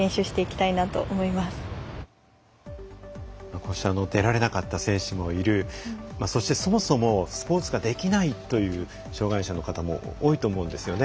こうして出られなかった選手もいるそしてそもそもスポーツができないという障がい者の方も多いと思うんですよね。